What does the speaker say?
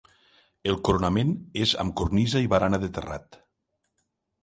El coronament és amb cornisa i barana de terrat.